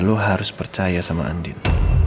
lo harus percaya sama andien